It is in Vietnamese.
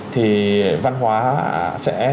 thì văn hóa sẽ